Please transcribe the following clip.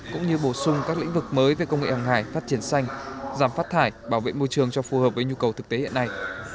cũng như bổ sung các lĩnh vực mới về công nghệ hàng hải phát triển xanh giảm phát thải bảo vệ môi trường cho phù hợp với nhu cầu thực tế hiện nay